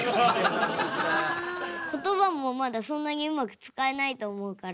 ことばもまだそんなにうまく使えないと思うから。